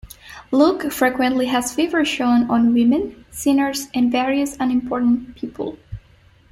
Luke frequently has favor shown on women, sinners, and various "unimportant" people.